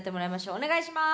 お願いします。